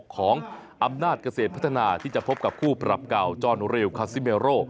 ของอำนาจเกษตรพัฒนาที่จะพบกับคู่ปรับเก่าจอนริวคาซิเมโร